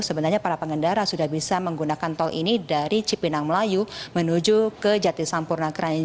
sebenarnya para pengendara sudah bisa menggunakan tol ini dari cipinang melayu menuju ke jatisampurna